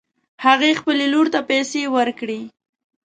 هغې خپلې لور ته پیسې ورکړې